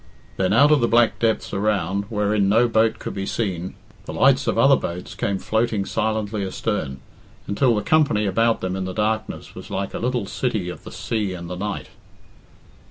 Then out of the black depths around, wherein no boat could be seen, the lights of other boats came floating silently astern, until the company about them in the darkness was like a little city of the sea and the night.